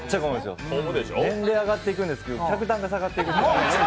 年齢上がっていくんですけど客単価下がっていく。